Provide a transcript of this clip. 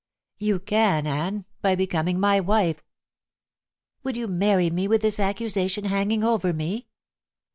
"You can, Anne, by becoming my wife." "Would you marry me with this accusation hanging over me?"